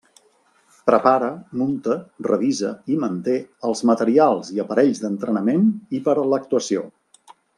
Prepara, munta, revisa i manté els materials i aparells d'entrenament i per a l'actuació.